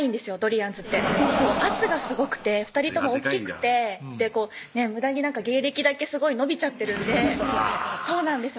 あんずって圧がすごくて２人とも大っきくてむだに芸歴だけすごい伸びちゃってるんであぁそうなんですよ